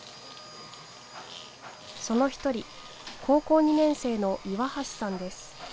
その１人高校２年生の岩橋さんです。